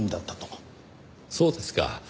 そうですか。